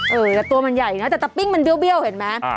เออแต่ตัวมันใหญ่นะแต่ตะปิ้งมันเบี้ยวเห็นไหม